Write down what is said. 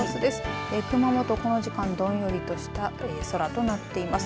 この時間どんよりとした空となっています。